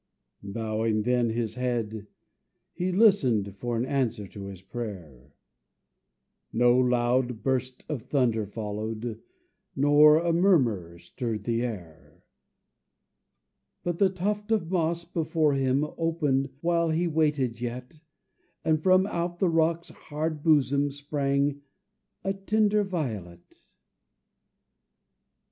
Bowing then his head, he listened For an answer to his prayer; No loud burst of thunder followed, Not a murmur stirred the air: But the tuft of moss before him Opened while he waited yet, And, from out the rock's hard bosom, Sprang a tender violet.